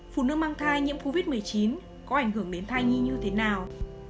phụ nữ mang thai nhiễm covid một mươi chín có ảnh hưởng đến thai nhi như thế nào